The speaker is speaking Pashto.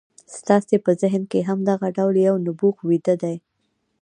ستاسې په ذهن کې هم دغه ډول يو نبوغ ويده دی.